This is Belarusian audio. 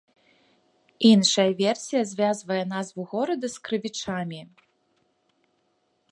Іншая версія звязвае назву горада з крывічамі.